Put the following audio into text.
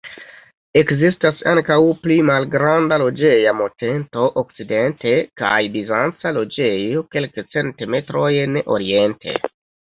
Ekzistas ankaŭ pli malgranda loĝeja monteto okcidente kaj bizanca loĝejo kelkcent metrojn oriente.